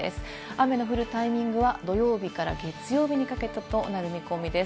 雨の降るタイミングは土曜日から月曜日にかけてとなる見込みです。